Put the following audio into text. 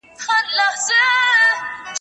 جواب ورکړه،